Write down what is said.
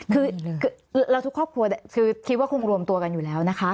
คือเราทุกครอบครัวคือคิดว่าคงรวมตัวกันอยู่แล้วนะคะ